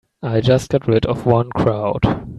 I just got rid of one crowd.